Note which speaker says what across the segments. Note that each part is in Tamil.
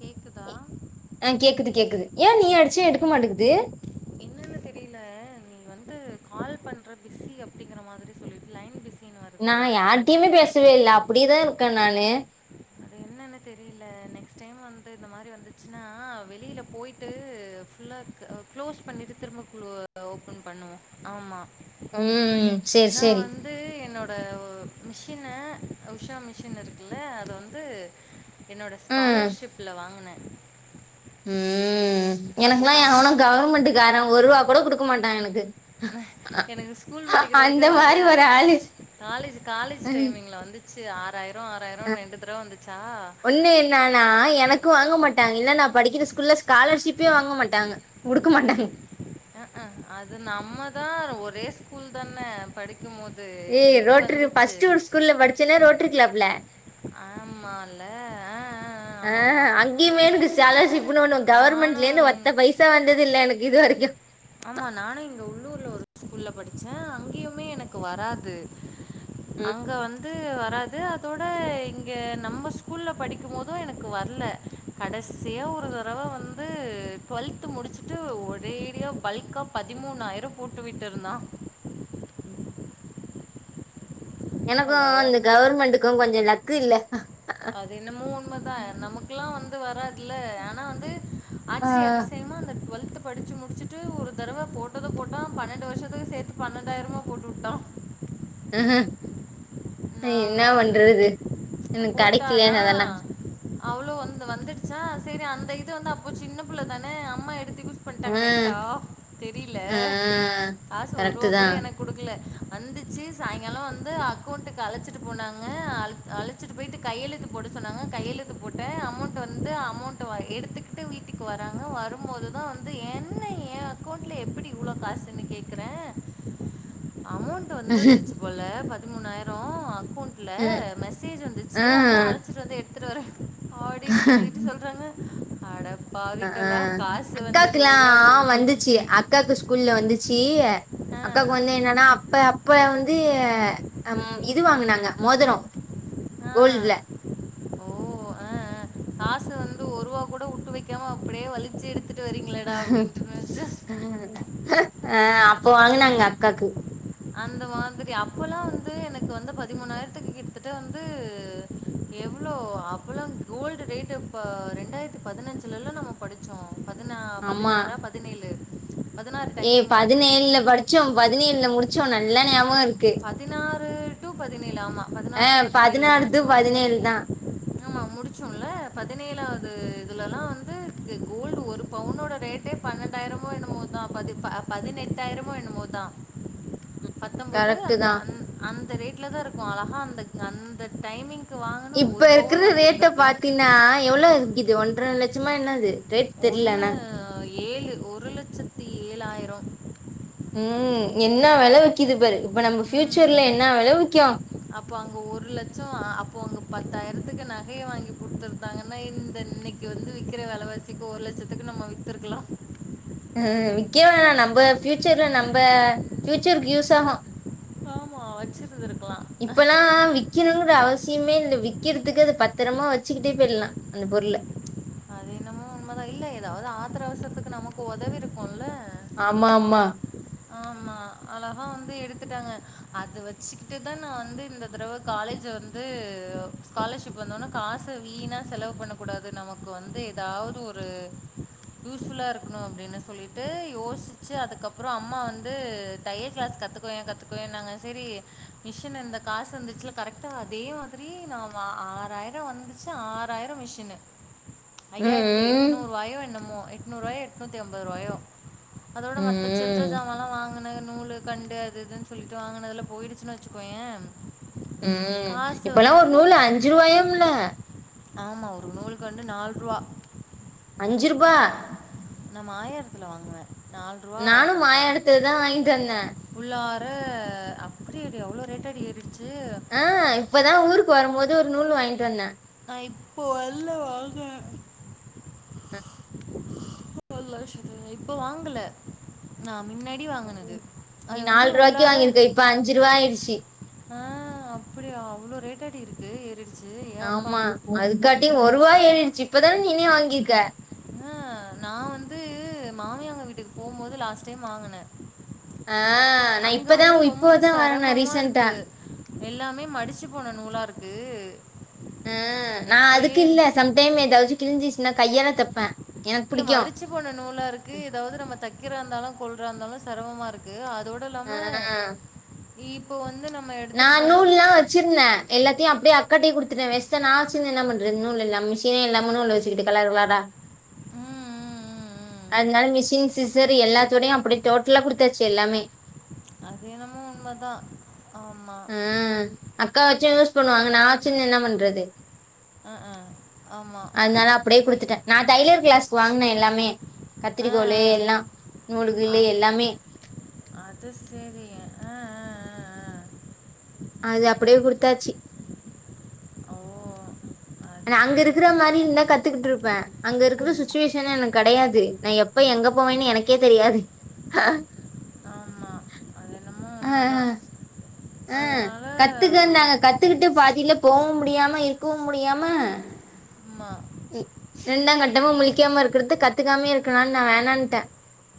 Speaker 1: கேக்குதா?
Speaker 2: ஆ கேக்குது கேக்குது ஏ நீ அடிச்ச எடுக்க மாட்டேங்குது
Speaker 1: து தெரில நீ வந்து கால் பண்ற பிஸி அப்டிங்குற மாதிரி சொல்லிட்டு லைன் பிஸின்னு வருது
Speaker 2: நான்
Speaker 1: எனக்கு தெரியல
Speaker 2: யாரிட்டையுமே பேசவே இல்ல அப்டியேதான் இருக்கேன் நானு
Speaker 1: என்னனு தெரில ஆ வெளியில போயிட்டு ஃபுல்லாக க்ளோஸ் பண்ணிட்டு திரும்ப குழு ஓபன் பண்ணுவோம் ஆமா
Speaker 2: ம் செரி செரி
Speaker 1: வந்து என்னோட மிஷின உஷா மிஷின் இருக்குல்ல அத வந்து என்னோட
Speaker 2: ம்
Speaker 1: ஸ்காலர்ஷிப்ல வாங்குனே
Speaker 2: ம்
Speaker 1: அப்போ
Speaker 2: எனக்கெலா
Speaker 1: கா
Speaker 2: எவனு கவர்மெண்ட்டு காரே ஒரு ரூவா கூட குடுக்க மாட்டா எனக்கு அ-
Speaker 1: எனக்கு ஸ்கூல்
Speaker 2: அ-
Speaker 1: படிக்கிற
Speaker 2: அந்த
Speaker 1: வரைக்கு
Speaker 2: மாரி
Speaker 1: வரல
Speaker 2: ஒரு ஆளு
Speaker 1: காலேஜ் காலேஜ்
Speaker 2: ம்
Speaker 1: டைமிங்ல வந்து ஃபர்ஸ்ட் ஆறாயிரோ ஆறாயிரோ ரெண்டு தடவ வந்துச்சா
Speaker 2: நானா எனக்கு வாங்க மாட்டாங்க இல்ல நா படிக்கிற ஸ்கூல்ல ஸ்காலர்ஷிப்பே வாங்க மாட்டாங்க குடுக்க
Speaker 1: ஐய
Speaker 2: மாட்டாங்க
Speaker 1: அ அ அது நம்மதா ஒரே ஸ்கூல் தானே படி க்கும்போது
Speaker 2: ஏ ரோட்ரு ஃபர்ஸ்டு ஒரு ஸ்கூல்ல படிச்சேல்ல ரோட்ரி கிளப்ல
Speaker 1: ஆமா ல அ அ அ
Speaker 2: அ அங்கேயுமே எனக்கு ஸ்காலர்ஷிப்னு ஒன்னு
Speaker 1: நானும்
Speaker 2: கவர்மெண்ட்லேந்து
Speaker 1: எங்
Speaker 2: ஒத்த பைசா வந்ததில்ல எனக்கு இது வரைக்கு
Speaker 1: ஆமா நானு இங்க உள்ளூர்ல ஒரு ஸ்கூல்ல படிச்ச அங்கியுமே எனக்கு வராது
Speaker 2: ம்
Speaker 1: அங்க வந் து வராது அதோட இங்க நம்ம ஸ்கூல்ல படிக்கும் போதும் எனக்கு வரல கடைசியா ஒரு தடவ வந்து டுவெல்த்து முடிச்சிட்டு ஒரேடியா பல்கா பதிமூணாயிர போட்டு விட்ருந்தா ஹலோ!
Speaker 2: எனக்கும் இந்த கவர்மெண்ட்டுக்கும் கொஞ்சோ லக்கு இல்ல
Speaker 1: அது என்னமோ உண்மதா நமக்குலா வந்து வராதுல ஆனா வந்து
Speaker 2: ஆ
Speaker 1: ஆச்சரி அதிசயமா அந்த டுவெல்த்து படிச்சி முடிச்சிட்டு ஒரு தடவ போட்டது போட்டா பன்னெண்டு வருஷத்துக்கு சேத்து பன்னெண்டாயிரமா போட்டு வுட்டா
Speaker 2: ம் ம் இன்ன
Speaker 1: ஆமா.
Speaker 2: பண்றது எனக்கு கெடைக்கில அதெல்லா
Speaker 1: அவ்ளோ வந்து வந்துச்சா செரி அந்த இது வந்து அப்போ சின்ன புள்ள தானே அம்மா எடுத்து யூஸ் பண்ட்டாங்க
Speaker 2: ம்
Speaker 1: நைசா தெரில
Speaker 2: ம்
Speaker 1: காசு
Speaker 2: கரெக்ட்
Speaker 1: ஒரூபா
Speaker 2: தா
Speaker 1: கூட எனக் குடுக்கல வந்துச்சு சாய்ங்கால வந்து பூத்துக்கு அழச்சிட்டு போனாங்க அழச்சிட்டு போயிட்டு கையெழுத்து போட சொன்னாங்க கையெழுத்து போட்டே அமௌண்ட் வந்து அமௌண்ட் எடுத்துக்கிட்டு வீட்டுக்கு வராங்க வரும்போதுதா வந்து என்ன ஏ அக்வுண்ட்ல எப்டி இவ்ளோ காசுன்னு கேக்குற அமௌண் ட் வந்திருந்துச்சி போல பதிமூணாயிரோ குன்ட்ல
Speaker 2: ம்
Speaker 1: மெசேஜ் வந்துச்சி அதா
Speaker 2: ம்
Speaker 1: அழச்சிட்டு வந்து எடுத்துட்டு வரே அப்டின்னு சொல்லிட்டு சொல்றாங்க அட
Speaker 2: அ அ
Speaker 1: பாவிங்களா! காசு வந்தது
Speaker 2: அக்காக்குலா
Speaker 1: ரூ. கூட
Speaker 2: வந்துச்சி அக்காக்கு ஸ்கூல்ல வந்துச்சி
Speaker 1: ஆ,
Speaker 2: அக்காக்கு வந்து என்னன்னா அப்ப அப்ப வந் து இது வாங்குனாங்க மோதரோ
Speaker 1: ஆ.
Speaker 2: கோல்டுல
Speaker 1: ஓ அ அ காசு வந்து ஒருவா கொட வுட்டு வெக்காம அப்டியே வலிச்சு எடுத்து
Speaker 2: அ அப்ப வாங்குனாங்க அக்காக்கு
Speaker 1: அந்த மாதிரி அப்பெல்லா வந்து எனக்கு வந்து பதிமூணாயரத்துக்கு கிட்டதட்ட எவ்ளோ அப்பெல்லா கோல்டு ரேட்டு பா ரெண்டாயிரத்தி பதினஞ்சுலல்ல நம்ம படுச்சோ பதினா
Speaker 2: ஆமா
Speaker 1: பதினாறா பதினேழு
Speaker 2: ஏ பதினேழுல படுச்சோ பதினேழுல முடுச்சோ நல்லா ஞாபொ இருக்கு
Speaker 1: பதினாறு டு பதினேழு ஆமா
Speaker 2: ஆ
Speaker 1: பதினாறு டு பதினேழுல
Speaker 2: பதினாறு டு
Speaker 1: முடுச்சோ
Speaker 2: பதினேழு தா
Speaker 1: முடுச்சோல்ல பதினேழாவது இதுலல்லா வந்து கோல்டு ஒரு பவுனோட ரேட்டே பன்னெண்டாயரமோ என்னமோ தா பதி ப பதினெட்டாயிரமோ என்னமோ தா பத் து
Speaker 2: கரெக்ட்
Speaker 1: அந்த
Speaker 2: தா
Speaker 1: அந்த ரேட்ல தா இருக்கு அழகா அந்த அந்த டைமிங் க்கு வாங்குன ஒரு பவுன் வாங்கியிருந்திருக்கலா
Speaker 2: நா எவ்ளோ இருக்கிது ஒன்ற லெச்சமா என்னாது ரேட் தெர்லனா
Speaker 1: அ ஏழு ஒரு லெச்சத்தி ஏழாயிரொ
Speaker 2: ம் என்ன வெலவிக்கிது பாரு இப்ப நம்ம ஃபியூச்சர்ல
Speaker 1: ம்
Speaker 2: என்ன வெல விக்கு
Speaker 1: அப்போ அங்க ஒரு லெச்சோ அ அப்போ அங்க பத்தாயரத்துக்கு நகைய வாங்கி குட்த்துருந்தாங்கன்னா இந்த இன்னக் கி வந்து விக்கிற வெல வாசிக்கு ஒரு லெச்சத்துக்கு நம்ம வித்துருக்கலா
Speaker 2: ம் விக்க வேணா நம்ப ஃபியூச்சர்ல நம்ப ஃபியூச்சர்க்கு யூஸ் ஆகு
Speaker 1: ஆமா வச்சிருந்துருக்கலா
Speaker 2: விக்கெணுன்ற அவசியமே இல்ல விக்கெறதுக்கு அத பத்தரமா வச்சுக்கிட்டே போயிட்லா அந்த பொருள
Speaker 1: அது என்னமோ உண்மதா இல்ல ஏதாவது ஆத்தர அவசரத்துக்கு நமக்கு ஒதவிருக்குல்ல
Speaker 2: ஆமா ஆமா
Speaker 1: ஆமா அழகா வந்து எடுத்துட்டாங்க அது வச்சுக்கிட்டு தா நா வந்து இந்த தடவ காலேஜ் வந்து ஸ்காலர்ஷிப் வந்தோனா காச வீணா செலவு பண்ணக்கூடாது நமக்கு வந்து ஏதாவ்து ஒரு யூஸ்ஃபுல்லா இருக்கணு அப்டின்னு சொல்லிட்டு யோசிச்சு அதுக்கப்பறொ அம்மா வந்து தைய கிளாஸ் கத்து கொயே கத்துக்கோயேனாங்க செரி மிஷின் இந்த காசு இருந்துச்சுல கரெட்டா அதே மாதிரி நா ஆறாயரொ வந்துச் சு ஆறாயரொ மிஷுனு ஐயாயர்த்தி
Speaker 2: ம்
Speaker 1: எட்நூறுவாயோ என்னமோ எட்நூறுவாயோ எட்நூத்தி அம்பதுருவாயோ அதோட
Speaker 2: ம்
Speaker 1: மத்த சில்ற
Speaker 2: ம்
Speaker 1: ஜாமால்லா வாங்குனே நூலு கண்டு அது இதுன்னு சொல்லிட்டு வாங்குனதுல போயிடுச்சுன்னு வச்சுக்கோயே
Speaker 2: ம் இப்பல்லா ஒரு நூல அஞ்சு ருவாயாம்ல
Speaker 1: ஆமா ஒரு நூல்க்கண்டு நால்றுவா
Speaker 2: அஞ்சு ரூபா
Speaker 1: நா மாயரத்துல வாங்குவே
Speaker 2: நானு மாயவரத்துல தா வாங்கிட்டு வந்தே
Speaker 1: உள்ளார அப்டியாடி அவ்ளோ ரேட்டாடி ஏறிடுச்சு
Speaker 2: அ இப்பதா ஊருக்கு வரும் போது ஒரு நூல் வாங்கிட்டு வந்தே
Speaker 1: நா இப்போ அல்ல வாங்கனு [unintelligible] இப்ப வாங்கல நா முன்னாடி வாங்கினது
Speaker 2: நீ
Speaker 1: அது
Speaker 2: நாலு
Speaker 1: வந்து
Speaker 2: ரூபாய்கு
Speaker 1: உள்ளார
Speaker 2: வாங்கியிருக்க இப்ப அஞ்சு ரூபா ஆயிருச்சி
Speaker 1: ஆ அப்டியா அவ்ளோ ரேட்டாடி இருக்கு இரு
Speaker 2: ஆமா அதுக்காட்டி ஒரு வா ஏறிடுச்சு இப்பதான நீனே வாங்கியிருக்க
Speaker 1: அ நான் வந்து மாமியங்க வீட்டுக்கு போம்போது லாஸ்ட் டைம் வாங்குனேன்
Speaker 2: அ நான்
Speaker 1: அங்க வந்து
Speaker 2: இப்பதான்
Speaker 1: ரொம்ப
Speaker 2: இப்போதான் வாங்குனேன்
Speaker 1: சிரமமா
Speaker 2: ரீசன்டா
Speaker 1: இருக்கு. எல்லாமே மடிச்சு போன நூலாருக்கு
Speaker 2: ஆ நான் அதுக்கு இல்ல சம்டைம் ஏதாச்சும் கிழிஞ்சிச்சுன்னா கையாலாம் தப்பேன் எனக்கு
Speaker 1: இல்ல
Speaker 2: பிடிக்கும்
Speaker 1: மடிச்சு போன நூலா இருக்கு இத வந்து நம்ம தக்கிற இருந்தாலும் கொல்ற இருந்தாலும் சிரமமா இருக்கு அதோட து ல்லாம இப்போ வந்து நம்ம எ
Speaker 2: நா நூல் லாம் வச்சிருந்தேன் எல்லாத்தையும் அப்டியே அக்காட்டே குடுத்துட்டேன் வேஸ்டா நா வச்சி என்ன பண்றது நூல் எல்லாம மிஷினே இல்லாம நூல் வச்சிகிட்டு கலர் கலரா
Speaker 1: ம், ம், ம், ம்.
Speaker 2: அதனால மிஷின் சிச் சரு எல்லாத்தோடையும் அப்படியே டோட்டலா கொடுத்தாச்சு எல்லாமே
Speaker 1: அது என்னமோ உண்மதான் ஆமா
Speaker 2: ம் அக்கா வாச்சும் யூஸ் பண்ணுவாங்க நான் வச்சிருந்து என்ன பண்றது
Speaker 1: ம் ம் ஆமா
Speaker 2: அப்டியே குடுத்துட்டேன் நான் தைலர் கிளாஸ்கு வாங்னேன் எல்லாமே
Speaker 1: அ,
Speaker 2: கத்திரிக்கோளு எல்லாம்
Speaker 1: அ. அ
Speaker 2: நூல்ககிளு எல்லாமே
Speaker 1: அது சரி ஆஹ ஆஹ் ஹ் ஹ்
Speaker 2: அது அப்டியே கொடுத்தாச்சு
Speaker 1: ஓ அது
Speaker 2: நா அங்க
Speaker 1: சரி
Speaker 2: இருக்கிற மாரி இருந்தா கத்துக்கிட்டு இருப்பேன் அங்க இருக்கற
Speaker 1: ம்
Speaker 2: சுச்சுவேஷன் எனக்கு கிடையாது நான் எப் ப எங்க போவேன்னு எனக்கே தெரியாது
Speaker 1: ஆமா அது என்னமோ உண்மதான்
Speaker 2: அஹ் கத்துக்கனாங்க கத்துக்கிட்டு பாதில போகவும் முடியாம இருக்கவும் முடியாம
Speaker 1: ம்மா
Speaker 2: ம் ரெண்டாம் கட்டமும் முழிக்காம இருக்குறது கத்துக்காமே இருக்கலாம்னு நான் வேணான்ட்டேன்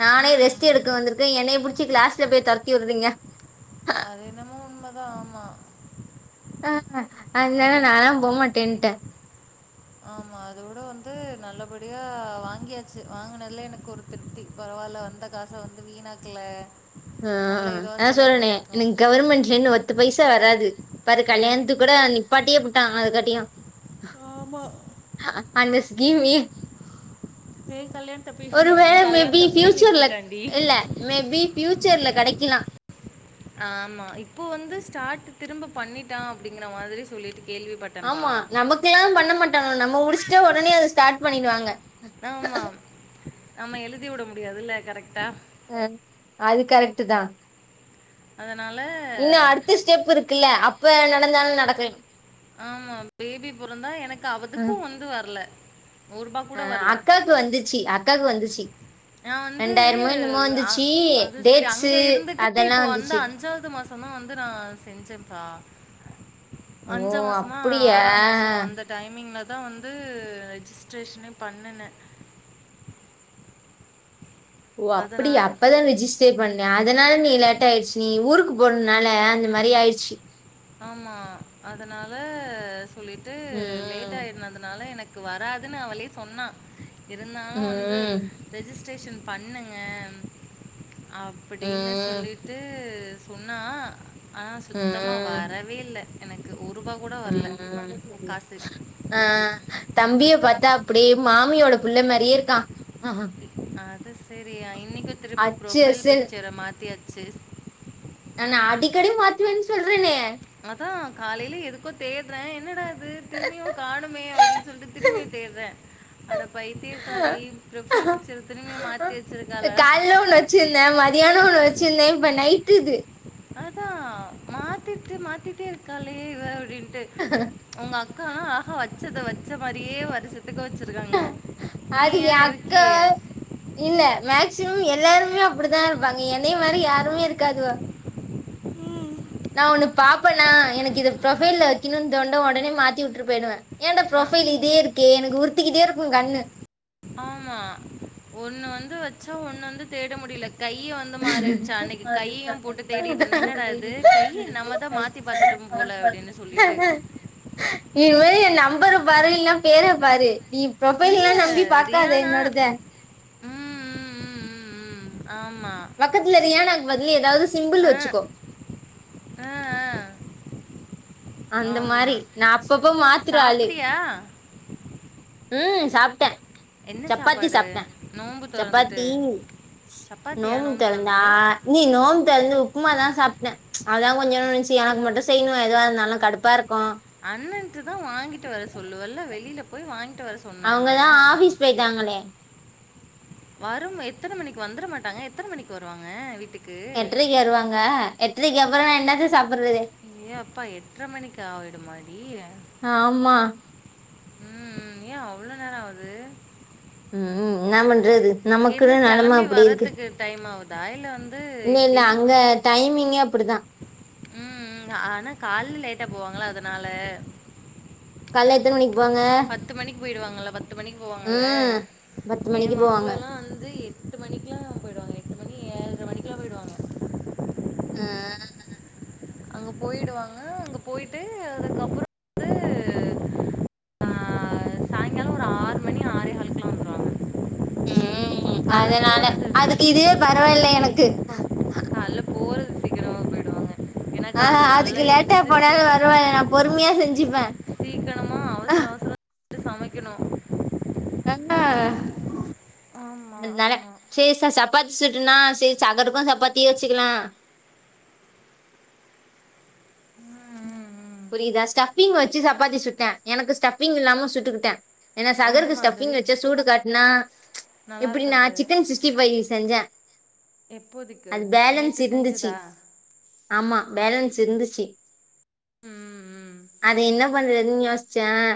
Speaker 2: நானே
Speaker 1: ம்
Speaker 2: ரெஸ்ட் எடுக்க வந்திருக்கேன் என்னய புடிச்சு கிளாஸ்ல போய் தோரத்தி விடுறீங்க
Speaker 1: அது என்னமோ உண்மதான் ஆமா
Speaker 2: ஆஹ் அதானல நாலாம் போகமாட்டேன்ட்டேன்
Speaker 1: ஆமா அத விட வந்து நல்லபடியா வாங்கியாச்சு வாங்கினதுல எனக்கு ஒரு திருப்தி பரவாயில்ல வந்த காச வந்து வீணாக்கல நல்ல
Speaker 2: ஆஹ்
Speaker 1: இதுவாக
Speaker 2: அதான்
Speaker 1: செலவு
Speaker 2: சொல்றேனே
Speaker 1: பண்ணியிருக்கோம்
Speaker 2: எனக்கு கவர்மெண்ட்ல ன்னு ஒத்து பைசா வராது பாரு
Speaker 1: ஆ
Speaker 2: கல்யாணத்துக் கூட நீப்பாட்டியே புட்டான் அதுக்காட்டியும்
Speaker 1: ஆமா
Speaker 2: அந்த ஸ்கீம் வே
Speaker 1: என் கல்யாணம் தப்பி
Speaker 2: ஒருவேளை
Speaker 1: என் கல்யாணம்
Speaker 2: மேபி
Speaker 1: தப்பியே
Speaker 2: ஃபியூச்சர்ல க
Speaker 1: நிறுத்திட்டான்டி
Speaker 2: இல்ல மேபி ஃபியூச்சர்ல கிடைக்கலாம்
Speaker 1: ஆமா இப்போ வந்து ஸ்டார்ட் திரும்ப பண்ணிட்டான் அப்படிங்குற மாதிரி சொல்லிட்டு கேள்விப்பட்ட
Speaker 2: ஆமா நமக்குல்லாம் பண்ண மாட்டாங்க நம்ம முடிச்சுட்ட உடனே அது ஸ்டார்ட் பண்ணிடுவாங்க
Speaker 1: ஆமா எழுதி விட முடியாதுல்ல கரெக்ட்டா
Speaker 2: அஹ அது கரெக்டு தான்
Speaker 1: அதனால
Speaker 2: இன்னும் அடுத்த ஸ்டெப் இருக்குல்ல அப்ப நடந்தாலும் நடக்கலாம்
Speaker 1: ஆமா பேபி புறந்தா எனக்கு அவதுக்கும் வந்து வரல ரூ.
Speaker 2: அ
Speaker 1: கூட வரல.
Speaker 2: அக்காக்கு வந்துச்சி அக்காக்கு வந்துச்சி
Speaker 1: நான் வந்து
Speaker 2: ரெண்டாயிரமோ என்னமோ
Speaker 1: அ
Speaker 2: வந்துச்சி
Speaker 1: அது சரி
Speaker 2: டேட்ஸு
Speaker 1: அங்க
Speaker 2: அதெல்லா வந்துச்சி
Speaker 1: சொன்ன வந்து நா செஞ்சேன்ப்பா
Speaker 2: ஓ
Speaker 1: அஞ்சா மாசமா
Speaker 2: அப்படியா
Speaker 1: ஆறா மாசமா அந்த டைமிங்கில தா வந்து ரெஜிஸ்ட்ரேஷனு பண்ணுனே
Speaker 2: ஓ
Speaker 1: அதனா
Speaker 2: அப்படியா அப்பதா ரிஜிஸ் ஜிஸ்டே பண்ணியா அதனால நீ லேட்ட ஆயிடுச்சி நீ ஊருக்கு போறதுனால அந்த மாரி ஆயிடுச்சி
Speaker 1: ஆமா அதனால சொல்லிட்டு
Speaker 2: ம்
Speaker 1: லேட்டா எத்துனதுனால எனக்கு வராதுன்னு அவளே சொன்னா இருந்தா
Speaker 2: ம்
Speaker 1: வந்து ரெஜிஸ்ட்ரேஷன் பண்ணுங்க அப்படின்னு
Speaker 2: ம்
Speaker 1: சொல்லிட்டு சொன்னா ஆனா சுத்தமா
Speaker 2: ம்
Speaker 1: வரவே இல்ல எனக்கு ஒருரூபா கூட வர்ல
Speaker 2: ம்
Speaker 1: காசு
Speaker 2: ஆ தம்பிய பாத்தா அப்புடியே மாமியோட புள்ள மாரியே இருக்கா ஆ
Speaker 1: அது செரியா இன்னைக்கு திரும்பு
Speaker 2: அச்சு
Speaker 1: ப்ரொஃபைல்
Speaker 2: அசல்
Speaker 1: பிக்சர மாத்தியாச்சு
Speaker 2: நானு அடிக்கடி மாத்துவேன்னு சொல்றேனே
Speaker 1: அதா காலையில எதுக்கோ தேட்ற என்னடா இது திரும்பியு காணுமே அப்டின்னு சொல்லிட்டு திரும்பியு தேட்ற அட பைத்தியகாரி ப்ரொஃபைல் பிக்சர திருமியுமே மாத்தி வெச்சிருக்காளா
Speaker 2: கால்ல ஒண்ணு வச்சிருந்தே மதியானோ ஒண்ணு வெச்சிருந்தே இப்ப நைட்டுது
Speaker 1: அதா மாத்திட்டு மாத்திட்டே இருக்காலே இவ அப்டின்ட்டு
Speaker 2: ஆஹா
Speaker 1: உங்க அக்கா ஆஹா வச்சது வச்ச மாரியே வருசு சத்துக்கு வெச்சிருக்காங்க
Speaker 2: அது
Speaker 1: நீயு
Speaker 2: எ அக்கா
Speaker 1: இருக்கியே
Speaker 2: இல்ல மேக்சிமம் எல்லாருமே அப்டித்தா இருப்பாங்க என்னைய மாரி யாருமே இருக்காதுவ
Speaker 1: ம்
Speaker 2: பாப்பனா எனக்கு இது ப்ரொபைல் வக்கணுன் தோண்டு உடனே மாத்தி வுட்டு போயிடுவே என்ட
Speaker 1: அ
Speaker 2: ப்ரொபைல் இதே இருக் கே எனுக்கு உருத்திக்கிட்டே இருக்கும் கண்ணு
Speaker 1: ஆமா ஒண்ணு வந்து வெச்சா ஒன்னு வந்து தேட முடியல கையி வந் து மாறிருச்சி அன்னைக்கு கையையு போட்டு தேடிட்டு இருந்த என்னடது கைய நம்ம தா மாத் தி பத்துட்டம் போல அப்டின் சொல்லிட்டு
Speaker 2: இனி மே என் நம்பரு பாரு இல்னா பேர பாரு நீ
Speaker 1: இல்ல
Speaker 2: ப்ரொபைல்லா நம்பி பாக்காத
Speaker 1: ரியானா
Speaker 2: என்னோடத
Speaker 1: ம் ம் ம் ம் ம் ஆமா
Speaker 2: பக்கத்துல ரியானுக்கு பதிலு ஏதாவது சிம்பிள்
Speaker 1: அ,
Speaker 2: வெச்சுக்கோ
Speaker 1: அ, அ.
Speaker 2: அந்த
Speaker 1: ஆமா.
Speaker 2: மாரி நா அப்பப்ப மாத்துற ஆளு
Speaker 1: சாப்பிட்டியா?
Speaker 2: ம் சாப்ட்ட
Speaker 1: என்ன
Speaker 2: சப்பாத்தி
Speaker 1: சாப்பாடு?
Speaker 2: சாப்ட்ட
Speaker 1: நோன்பு தொறந்துட்டு.
Speaker 2: சப்பாத்தி
Speaker 1: சப்பாத்தியா
Speaker 2: நோம்மு
Speaker 1: நோன்பு
Speaker 2: தெறந்தா
Speaker 1: தொறந்துட்டு?
Speaker 2: ஆ இனி நோம்பு தெறந்து உப்புமா தா சாப்ட்ட அததா கொஞ்சோன்டு இருந்துச்சி எனக்கு மட்டு செய்யணு எதுவா இருந்தாலு கடுப்பா இருக்கு
Speaker 1: அண்ணன்ட்ட தா வாங்கிட்டு வர சொல்லுவல்ல வெளியில போய் வாங்கிட்டு வர சொன்னா என்ன?
Speaker 2: அவங்கதா ஆஃபிஸ் போயிட்டாங்களே
Speaker 1: வரும் எத்தனை மணிக்கு வந்துட மாட்டாங்க எத்தன மணிக்கு வருவாங்க வீட்டுக்
Speaker 2: எட்ரைக்கு வருவாங்க எட்ரைக்கு அப்புறனா என்னத்த சாப்புட்றது
Speaker 1: ஏ அப்பா எட்டரை மணிக்கு ஆயிட மாடி
Speaker 2: ஆமா
Speaker 1: ம் ஏன் அவ்ளோ நேரம் ஆவுது
Speaker 2: ம்ம் என்ன பண்றது
Speaker 1: அங்கேருந்து
Speaker 2: நமக்குன்ன நெலமை
Speaker 1: கிளம்பி
Speaker 2: அப்படி இருக்கு
Speaker 1: வர்றதுக்கு டைம் ஆகுதா இல்லை வந்து
Speaker 2: இல்ல இல்ல
Speaker 1: எப்படி
Speaker 2: அங்க டைமிங்கே அப்படிதான்
Speaker 1: ம் ஆனா காலல லேட்டா போவாங்களா அத நால
Speaker 2: கால்ல எத்தன மணிக்கு போவாங்க
Speaker 1: பத்து மணிக்கு போயிடுவாங்கள பத்து மணிக்கு போவாங்கல
Speaker 2: ம் பத்து
Speaker 1: என்
Speaker 2: மணிக்கு போவாங்க
Speaker 1: மாப்பிள்ளல்லாம் வந்து எட்டு மணிக்கெல்லாம் போயிடுவாங்க எட்டு மணி ஏழ்ரை மணிலாம் போயிடுவாங்க
Speaker 2: ம்
Speaker 1: அங்க போயிடுவாங்க அங்க போயிட்டு அதுக்கப்புறம் வந்து ஆ சாயங்காலம் ஒரு ஆறு மணி ஆறே காலுக்குலாம் வந்துருவாங்க.
Speaker 2: ம்
Speaker 1: காலைல
Speaker 2: அதனால
Speaker 1: போறது
Speaker 2: அதுக்கு இதுவே பரவால்ல எனக்கு
Speaker 1: கால்ல போறது சீக்கிரமா போயிடுவாங்க ஏன்னா
Speaker 2: ஆ
Speaker 1: காலைல
Speaker 2: அதுக்கு
Speaker 1: காலைல
Speaker 2: லேட்டாக
Speaker 1: எந்திரிச்சு சீ
Speaker 2: போனாலும் வருரவாயில்லை நான் பொறுமையாக செஞ்சுப்பேன்
Speaker 1: சீக்கிரமா
Speaker 2: ஆ
Speaker 1: அவசர அவசரம்ட்டு சமைக்கணும் ஆமா.
Speaker 2: ஆஹ
Speaker 1: ஆமா,
Speaker 2: அதனால
Speaker 1: ஆமா.
Speaker 2: சரி சா சப்பாத்தி சுட்டுனா சரி சகருக்கும் சப்பாத்தியே வச்சுக்கலாம்
Speaker 1: ம்ம்
Speaker 2: புரியுதா ஸ்டஃபிங் வச்சு சப்பாத்தி சுட்டேன் எனக்கு ஸ்டஃபிங் இல்லாம சுட்டுக்கிட்டேன் ஏன்னா
Speaker 1: எந்த
Speaker 2: சகருக்கு ஸ்டஃபிங்
Speaker 1: மாதிரி?
Speaker 2: வச்ச சூடு காட்டினா
Speaker 1: நல்லா
Speaker 2: இப்படி
Speaker 1: இருக்காது.
Speaker 2: நான் சிக்கன் சிக்ஸ்டி பஃபைவ் செஞ்சேன்
Speaker 1: எப்போதைக்கு?
Speaker 2: அது பேலன்ஸ்
Speaker 1: நேத்து
Speaker 2: இருந்துச்சு
Speaker 1: செஞ்சதா?
Speaker 2: ஆமா பேலன்ஸ் இருந்துச்சு
Speaker 1: ம் ம்ம்ம்
Speaker 2: அது என்ன பண்றதுன்னு யோசிச்சேன்